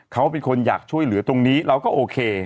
เขาเป็นคนอยากช่วยเหลือตรงนี้เราก็โอเค